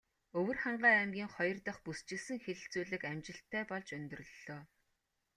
Өвөрхангай аймгийн хоёр дахь бүсчилсэн хэлэлцүүлэг амжилттай болж өндөрлөлөө.